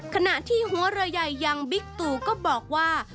ขณะที่หัวระยัยยังบิ๊กตูก็บอกว่า